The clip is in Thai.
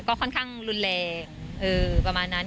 ก็ค่อนข้างรุนแรงประมาณนั้น